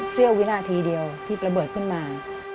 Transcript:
เสี้ยววินาทีเดียวที่ระเบิดขึ้นมา